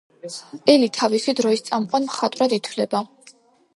ელი თავისი დროის წამყვან მხატვრად ითვლება.